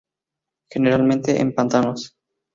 Generalmente en pantanos.